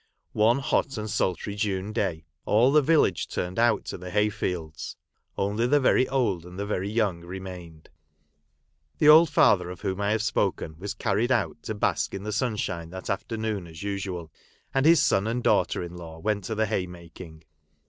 One hot and sultry June day, all the village turned out to the hay fields. Only the very old and the very young remained. The old father of whom I have spoken, Avas carried out to bask in the sunshine that after noon as usual, and his son and daughter in law went to the hay making.